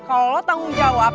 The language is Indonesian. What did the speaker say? kalau lo tanggung jawab